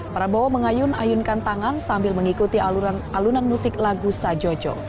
prabowo mengayunkan tangan sambil mengikuti alunan musik lagu sajojo